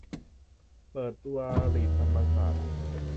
เปิดตัวลีดธรรมศาสตร์